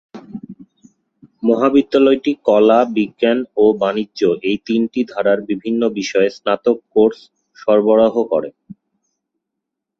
মহাবিদ্যালয়টি কলা, বিজ্ঞান ও বাণিজ্য এই তিনটি ধারার বিভিন্ন বিষয়ে স্নাতক কোর্স সরবরাহ করে।।